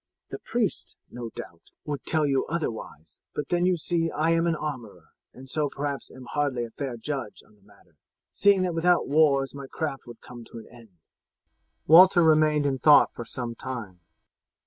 The priests, no doubt, would tell you otherwise; but then you see I am an armourer, and so perhaps am hardly a fair judge on the matter, seeing that without wars my craft would come to an end." Walter remained in thought for some time.